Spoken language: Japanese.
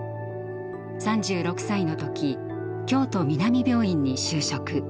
３６歳の時京都南病院に就職。